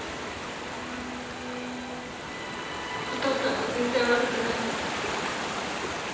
お父さんは全然悪くない。